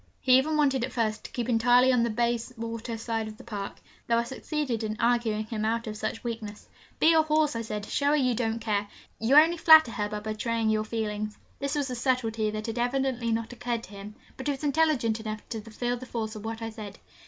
He even wanted at first to keep entirely on the Bayswater side of the Park, though I succeeded in arguing him out of such weakness. 'Be a horse!' I said. 'Show her you don't care. You only flatter her by betraying your feelings.' This was a subtlety that had evidently not occurred to him, but he was intelligent enough to feel the force of what I said.